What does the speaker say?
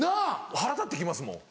腹立って来ますもん。